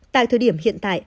tại thời điểm hiện tại